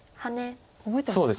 覚えてますか？